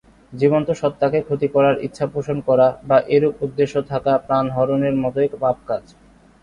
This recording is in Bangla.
জীবন্তসত্তাকে ক্ষতি করার ইচ্ছাপোষণ করা বা এরূপ উদ্দেশ্য থাকা প্রাণহরণের মতোই পাপকাজ।